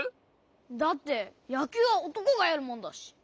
だってやきゅうはおとこがやるもんだし。